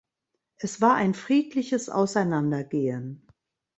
Es war ein friedliches Auseinandergehen.